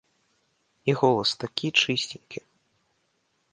І голас такі чысценькі!